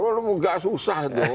oh enggak susah tuh